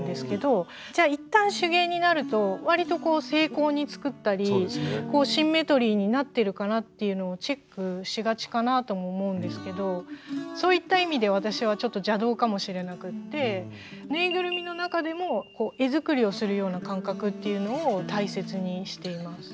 じゃあ一旦手芸になるとわりとこう精巧に作ったりシンメトリーになってるかなっていうのをチェックしがちかなとも思うんですけどそういった意味で私はちょっと邪道かもしれなくてっていうのを大切にしています。